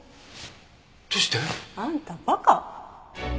どうして？あんた馬鹿？